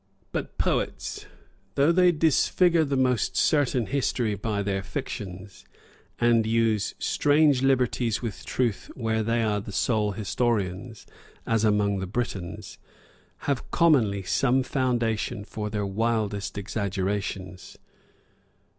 But poets, though they disfigure the most certain history by their fictions, ana use strange liberties with truth where they are the sole historians, as among the Britons, have commonly some foundation for their wildest exaggerations.